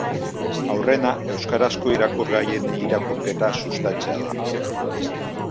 Aurrena euskarazko irakurgaien irakurketa sustatzea da.